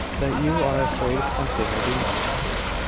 that you are afraid of something every night."